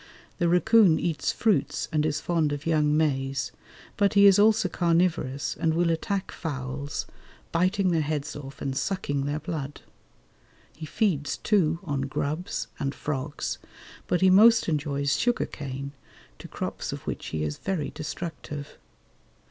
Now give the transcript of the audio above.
The racoon eats fruits and is fond of young maize; but he is also carnivorous, and will attack fowls, biting their heads off and sucking their blood. He feeds, too, on grubs and frogs, but he most enjoys sugar cane, to crops of which he is very destructive.